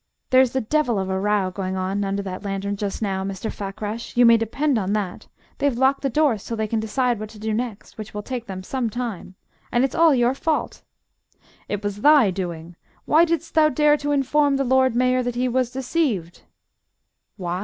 "There's the devil of a row going on under that lantern just now, Mr. Fakrash, you may depend upon that. They've locked the doors till they can decide what to do next which will take them some time. And it's all your fault!" "It was thy doing. Why didst thou dare to inform the Lord Mayor that he was deceived?" "Why?